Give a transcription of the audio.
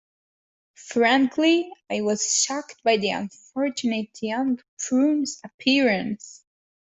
Frankly, I was shocked by the unfortunate young prune's appearance.